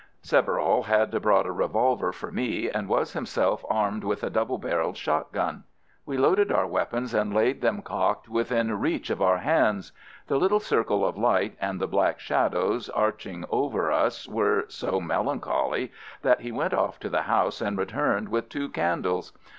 Severall had brought a revolver for me, and was himself armed with a double barrelled shot gun. We loaded our weapons and laid them cocked within reach of our hands. The little circle of light and the black shadows arching over us were so melancholy that he went off to the house, and returned with two candles.